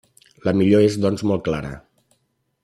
La millora és doncs molt clara.